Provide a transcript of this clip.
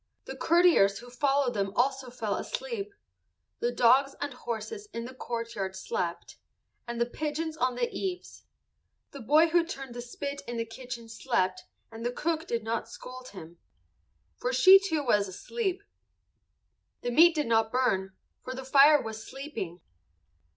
The courtiers who followed them also fell asleep. The dogs and horses in the courtyard slept, and the pigeons on the eaves. The boy who turned the spit in the kitchen slept and the cook did not scold him, for she too was asleep. The meat did not burn, for the fire was sleeping.